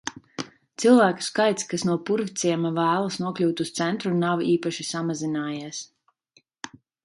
Cilvēku skaits, kas no Purvciema vēlas nokļūt uz centru, nav īpaši samazinājies.